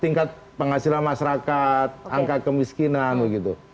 tingkat penghasilan masyarakat angka kemiskinan begitu